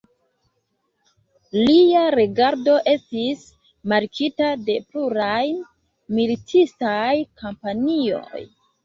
Lia regado estis markita de pluraj militistaj kampanjoj.